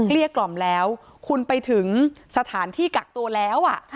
เรียกกล่อมแล้วคุณไปถึงสถานที่กักตัวแล้ว